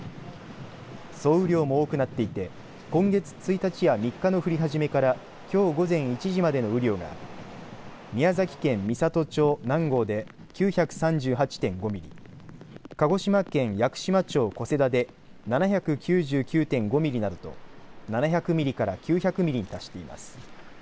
総雨量も多くなっていて今月１日や３日の降り始めからきょう午前１時までの雨量が宮崎県美郷町南郷で９３８．５ミリ鹿児島県屋久島町小瀬田で７９９．５ミリなどと７００ミリから９００ミリに達しています。